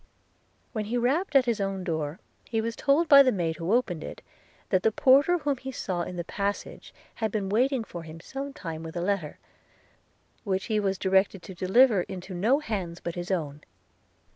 When he rapped at his own door, he was told by the maid who opened it, 'that the porter whom he saw in the passage had been waiting for him some time with a letter, which he was directed to deliver into no hands but his own.'